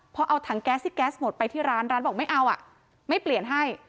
พอเอาถังแก๊สที่แก๊สหมดไปที่ร้านร้านบอกไม่เอาอ่ะไม่เปลี่ยนให้